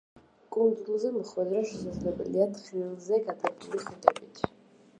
კუნძულზე მოხვედრა შესაძლებელია თხრილზე გადებული ხიდებით.